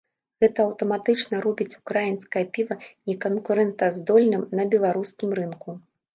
Гэта аўтаматычна робіць ўкраінскае піва неканкурэнтаздольным на беларускім рынку.